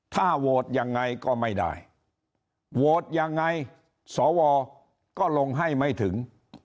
ถ้าโหวตยังไงก็ไม่ได้โหวตยังไงสวก็ลงให้ไม่ถึง